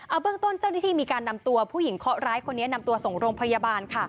เอาเบื้องต้นเจ้าหน้าที่มีการนำตัวผู้หญิงเคาะร้ายคนนี้นำตัวส่งโรงพยาบาลค่ะ